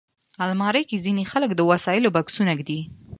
الماري کې ځینې خلک د وسایلو بکسونه ایږدي